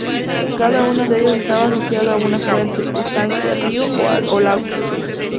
Cada una de ellas estaba asociada a una fuente, estanque, río o lago.